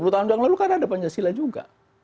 dua puluh tahun yang lalu kan ada pancasila juga